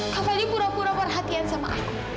kak fadil pura pura perhatian sama aku